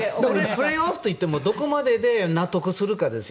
プレーオフといってもどこまでで納得するかですよ。